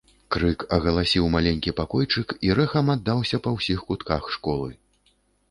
Крык агаласіў маленькі пакойчык і рэхам аддаўся па ўсіх кутках школы.